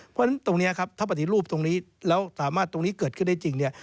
เพราะฉะนั้นตรงนี้ครับถ้าปฏิรูปตรงนี้แล้วสามารถตรงนี้เกิดขึ้นได้จริงเนี่ย